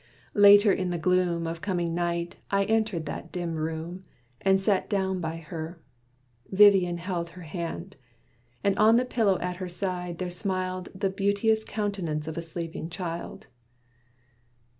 Later in the gloom, Of coming night, I entered that dim room, And sat down by her. Vivian held her hand: And on the pillow at her side, there smiled The beauteous count'nance of a sleeping child.